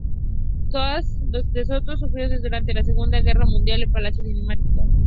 Tras los serios destrozos sufridos durante la Segunda Guerra Mundial, el palacio fue dinamitado.